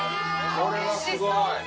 これはすごい！